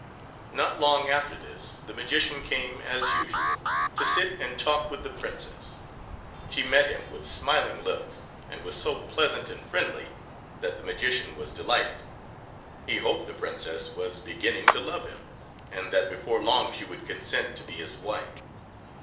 Not long after this the magician came, as usual, to sit and talk with the Princess. She met him with smiling looks, and was so pleasant and friendly that the magician was delighted. He hoped the Princess was beginning to love him and that before long she would consent to be his wife.